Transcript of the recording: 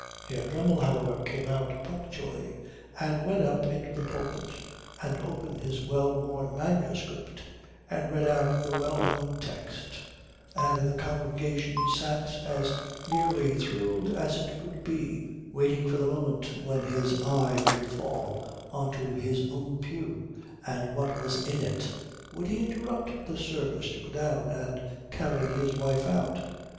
Herr Dremmel, however, came out punctually and went up into the pulpit and opened his well worn manuscript and read out the well known text, and the congregation sat as nearly thrilled as it could be waiting for the moment when his eye would fall on to his own pew and what was in it. Would he interrupt the service to go down and carry his wife out?